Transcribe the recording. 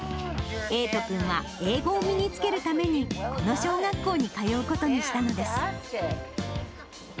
瑛斗君は英語を身につけるために、この小学校に通うことにしたのです。